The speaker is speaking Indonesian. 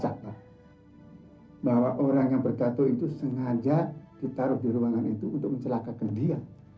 bahwa orang yang berdato itu sengaja ditaruh di ruangan itu untuk mencelakakan dia